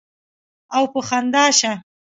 او پۀ خندا شۀ ـ